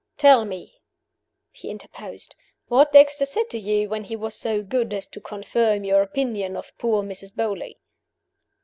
"Tell me," he interposed, "what Dexter said to you when he was so good as to confirm your opinion of poor Mrs. Beauly."